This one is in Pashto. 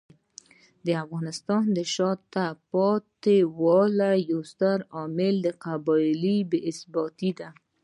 د افغانستان د شاته پاتې والي یو ستر عامل قبایلي بې ثباتي دی.